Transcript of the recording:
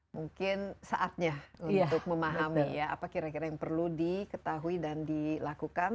mungkin saatnya untuk memahami ya apa kira kira yang perlu diketahui dan dilakukan